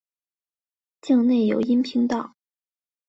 境内有阴平道。